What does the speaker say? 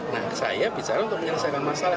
nah saya bicara untuk menyelesaikan masalah